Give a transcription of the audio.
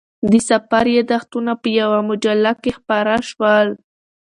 د سفر یادښتونه په یوه مجله کې خپاره شول.